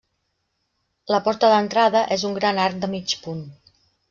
La porta d'entrada és un gran arc de mig punt.